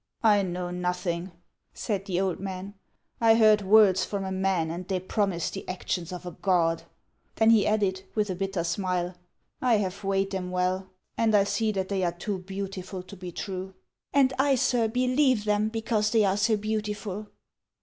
" I know nothing," said the old man. " I heard words from a man, and they promised the actions of a god." Then he added, with a bitter smile :" I have weighed them well, and I see that they are too beautiful to be true." "And I, sir, believe them because they are so beautiful."